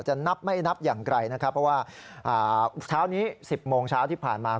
นับไม่นับอย่างไกลนะครับเพราะว่าเช้านี้๑๐โมงเช้าที่ผ่านมา